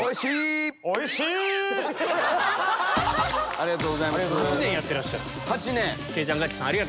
ありがとうございます。